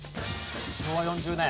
昭和４０年。